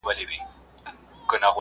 سپی یوازي تر ماښام پوري غپا کړي